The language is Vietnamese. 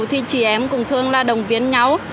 thì chị em cũng thường là đồng viên nhau